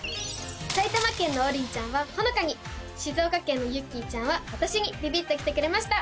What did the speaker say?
埼玉県のおりんちゃんはホノカに静岡県のゆっきーちゃんは私にビビッときてくれました。